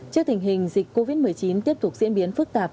trước tình hình dịch covid một mươi chín tiếp tục diễn biến phức tạp